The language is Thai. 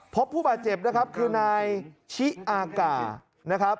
พบผู้บาดเจ็บนะครับคือนายชิอากานะครับ